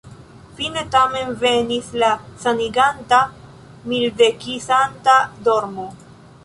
Fine tamen venis la saniganta, mildekisanta dormo.